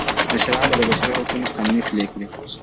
مشران به د بشري حقونو قانون پلی کړي.